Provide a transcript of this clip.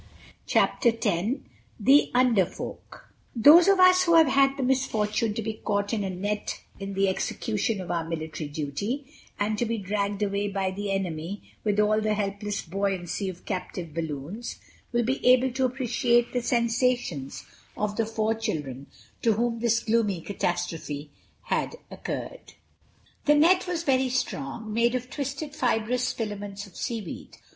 CHAPTER TEN The Under Folk THOSE OF US who have had the misfortune to be caught in a net in the execution of our military duty, and to be dragged away by the enemy with all the helpless buoyancy of captive balloons, will be able to appreciate the sensations of the four children to whom this gloomy catastrophe had occurred. The net was very strong—made of twisted fibrous filaments of seaweed.